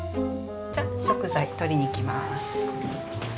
じゃ食材取りに行きます。